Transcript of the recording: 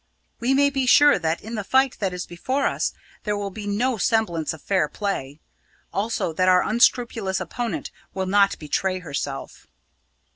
We may be sure that in the fight that is before us there will be no semblance of fair play. Also that our unscrupulous opponent will not betray herself!"